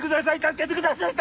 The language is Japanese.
助けてください